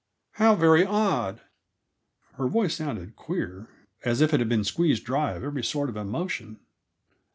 How very odd!" Her voice sounded queer, as if it had been squeezed dry of every sort of emotion.